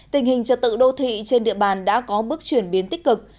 tình hình trật tự đô thị trên địa bàn đã có bước chuyển biến tích cực